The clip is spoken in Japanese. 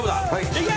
いけ！